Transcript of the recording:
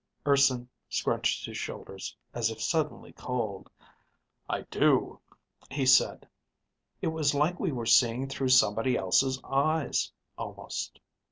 Urson scrunched his shoulders as if suddenly cold. "I do," he said. "It was like we were seeing through somebody else's eyes, almost."